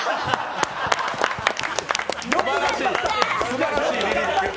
すばらしい！